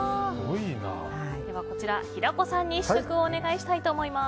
こちら、平子さんに試食をお願いします。